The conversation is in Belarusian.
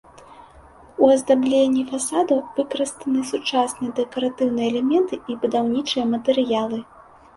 У аздабленні фасадаў выкарыстаны сучасныя дэкаратыўныя элементы і будаўнічыя матэрыялы.